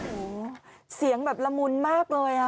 โอ้โหเสียงแบบละมุนมากเลยอ่ะ